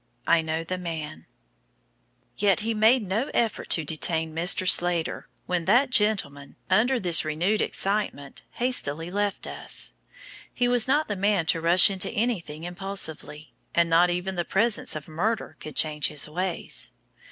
"I KNOW THE MAN" Yet he made no effort to detain Mr. Slater, when that gentleman, under this renewed excitement, hastily left us. He was not the man to rush into anything impulsively, and not even the presence of murder could change his ways.